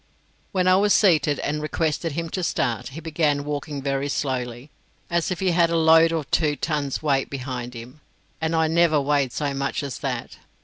When I was seated and requested him to start, he began walking very slowly, as if he had a load of two tons weight behind him, and I never weighed so much as that.